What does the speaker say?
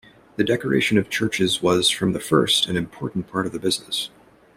The decoration of churches was from the first an important part of the business.